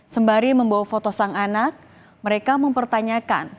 sembari membawa foto sang anak mereka mempertanyakan